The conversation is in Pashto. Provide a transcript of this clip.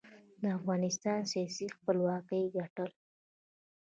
د افغانستان سیاسي خپلواکۍ ګټل.